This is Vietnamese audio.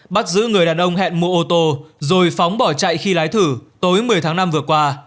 bắt giữ người đàn ông hẹn mua ô tô rồi phóng bỏ chạy khi lái thử tối một mươi tháng năm vừa qua